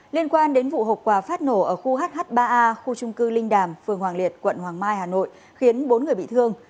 liên quan đến vụ hộp quà phát nổ ở khu hh ba a khu trung cư linh đàm phường hoàng liệt quận hoàng mai hà nội khiến bốn người bị thương